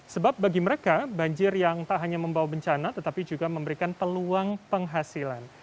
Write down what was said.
sebab bagi mereka banjir yang tak hanya membawa bencana tetapi juga memberikan peluang penghasilan